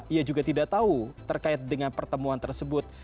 ia juga tidak tahu terkait dengan pertemuan tersebut